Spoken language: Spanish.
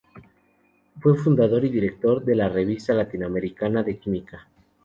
Fue fundador y director de la "Revista Latinoamericana de Química".